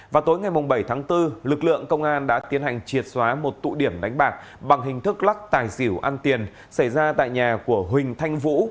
vào tối ngày bảy tháng bốn lực lượng công an đã tiến hành triệt xóa một tụ điểm đánh bạc bằng hình thức lắc tài xỉu ăn tiền xảy ra tại nhà của huỳnh thanh vũ